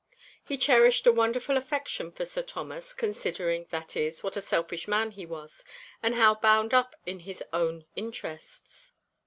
He cherished a wonderful affection for Sir Thomas, considering, that is, what a selfish man he was, and how bound up in his own interests.